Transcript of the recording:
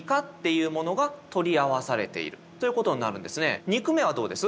これは２句目はどうです？